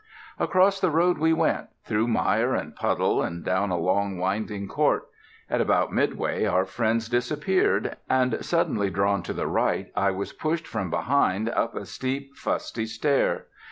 Across the road we went, through mire and puddle, and down a long, winding court. At about midway our friends disappeared, and, suddenly drawn to the right, I was pushed from behind up a steep, fusty stair.